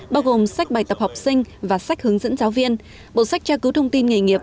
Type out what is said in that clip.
bao gồm sách bài tập học sinh và sách hướng dẫn giáo viên bộ sách tra cứu thông tin nghề nghiệp